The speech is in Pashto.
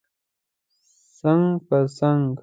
څنګ پر څنګ